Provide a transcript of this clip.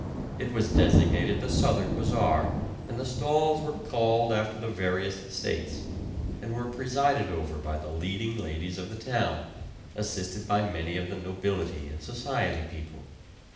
It was designated the Southern Bazaar, and the stalls were called after the various states, and were presided over by the leading ladies of the town, assisted by many of the nobility and society people.